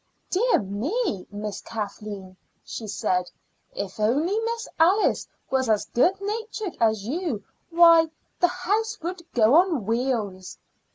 "Dear me, Miss Kathleen!" she said; "if only Miss Alice was as good natured as you, why, the house would go on wheels."